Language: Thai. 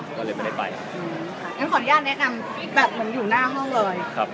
ชื่อน้ำสกุลแล้วก็ตำแหน่งแบบนี้เลยครับ